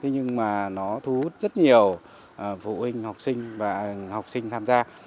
nhưng mà nó thu hút rất nhiều phụ huynh học sinh và học sinh tham gia